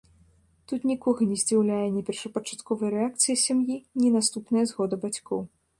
Тут нікога не здзіўляе ні першапачатковая рэакцыя сям'і, ні наступная згода бацькоў.